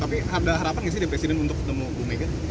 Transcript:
tapi ada harapan gak sih dari presiden untuk ketemu ibu mega